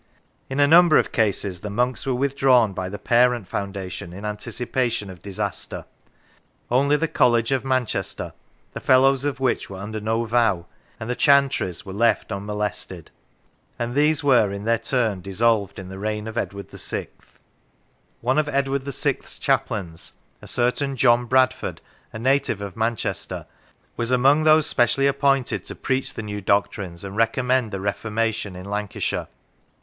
In a number of cases the monks were withdrawn by the parent foundation in anticipation of disaster. Only the College of Manchester, the Fellows of which were under no vow, and the Chantries, were left unmolested ; and these were in their turn dissolved in the reign of Edward VI. One of Edward VI .'s chaplains, a certain John Bradford, a native of Manchester, was among those specially appointed to preach the new" doctrines, and recommend the Reformation, in Lancashire.